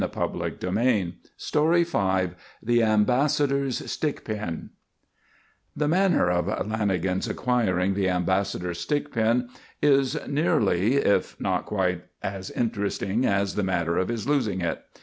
V THE AMBASSADOR'S STICK PIN V THE AMBASSADOR'S STICK PIN The manner of Lanagan's acquiring the Ambassador's stick pin is nearly, if not quite, as interesting as the matter of his losing it.